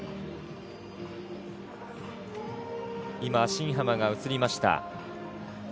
今、新濱が映りました。